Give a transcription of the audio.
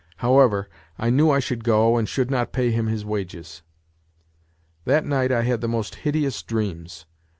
However, I knew I should go and should not pay him his wages. That night I had the most hideous dreams.